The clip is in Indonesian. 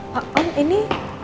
pak om ini